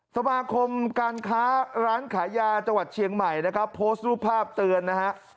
สมาคมการค้าร้านขายยาจังหวัดเชียงใหม่นะครับโพสต์รูปภาพเตือนนะฮะ